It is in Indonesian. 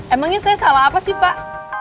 emangnya saya salah apa sih pak